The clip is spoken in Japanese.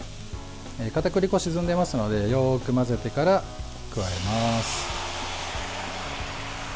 かたくり粉が沈んでますのでよく混ぜてから加えます。